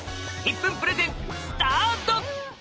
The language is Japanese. １分プレゼンスタート！